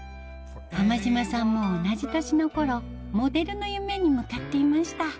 浜島さんも同じ年の頃モデルの夢に向かっていました